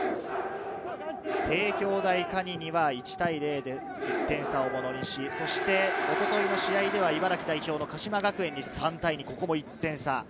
帝京大学可児には１対０で１点差をものにし、おとといの試合では茨城代表の鹿島学園に３対２、ここも１点差。